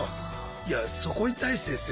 いやそこに対してですよ。